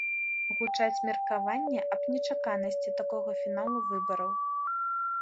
Гучаць меркаванні аб нечаканасці такога фіналу выбараў.